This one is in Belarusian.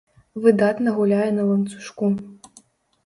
Выдатна гуляе на ланцужку.